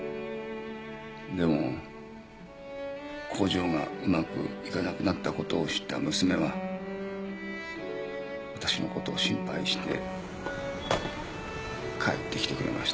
でも工場がうまくいかなくなった事を知った娘は私の事を心配して帰ってきてくれました。